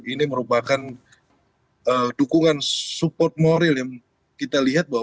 ini merupakan dukungan support moral yang kita lihat bahwa